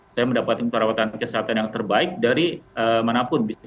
saya mendapatkan perawatan kesehatan yang terbaik dari manapun